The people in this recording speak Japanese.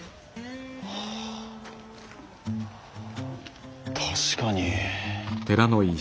あ確かに。